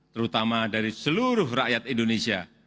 terutama dari seluruh rakyat indonesia